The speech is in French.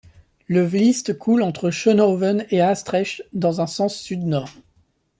Le Vlist coule entre Schoonhoven et Haastrecht, dans un sens sud-nord.